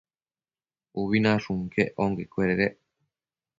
Ubi nashun quec onquecuededec